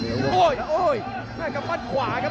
โอ้ยโอ้ยแค่กับมันขวาครับ